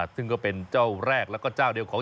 ซึ่งก็เป็นเจ้าแรกแล้วก็เจ้าเดียวของ